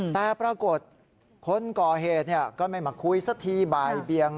แต่ปรากฏคนก่อเหตุก็ไม่มาคุยสักทีบ่ายเบียง